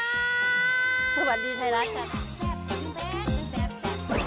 สวัสดีท้ายรัก